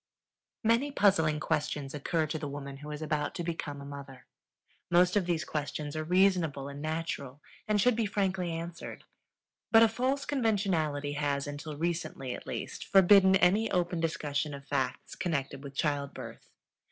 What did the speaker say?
Many puzzling questions occur to the woman who is about to become a mother. Most of these questions are reasonable and natural, and should be frankly answered; but a false conventionality has until recently, at least forbidden any open discussion of facts connected with childbirth.